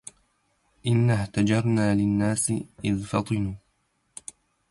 إنا اهتجرنا للناس إذ فطنوا